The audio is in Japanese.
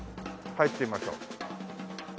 入ってみましょう。